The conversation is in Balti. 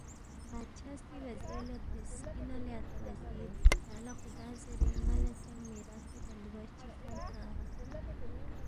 بادشاہ سی وزیر لہ ترِس، اِنا لے اتا وزیر کھیانگ لہ خُدا زیرے ن٘ا لہ چنگ میراثی بندوبست چی سونگسا؟